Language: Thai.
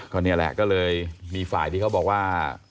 ก็นี่แหละก็เลยมีฝ่ายที่เขาบอกว่า